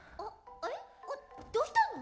あっどうしたの？